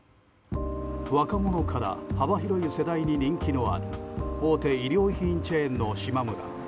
若者から幅広い世代に人気のある大手衣料品チェーンのしまむら。